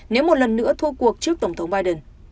nếu một lần nữa thua cuộc trước tổng thống biden